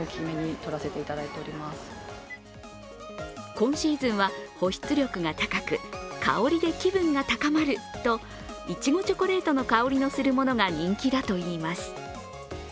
今シーズンは保湿力が高く香りで気分が高まるといちごチョコレートの香りのするものが人気だといいます。